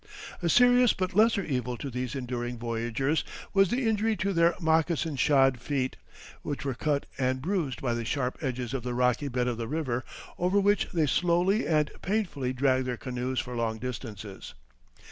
A serious but lesser evil to these enduring voyagers was the injury to their mocassin shod feet, which were cut and bruised by the sharp edges of the rocky bed of the river over which they slowly and painfully dragged their canoes for long distances.